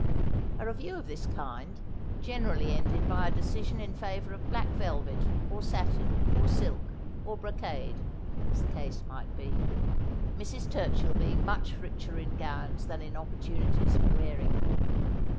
A review of this kind generally ended by a decision in favour of black velvet, or satin, or silk, or brocade, as the case might be ; Mrs. Turchill being much richer in gowns than in opportunities for wearing them.